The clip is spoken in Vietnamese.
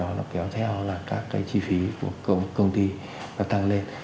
nó tăng lên tất cả cái đó kéo theo là các chi phí của công ty tăng lên